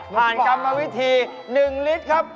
กรรมวิธี๑ลิตรครับ